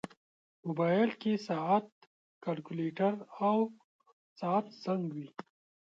موبایل کې ساعت، کیلکولیټر، او ساعت زنګ وي.